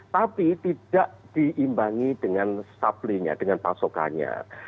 tapi tidak diimbangi dengan supply nya dengan pasokannya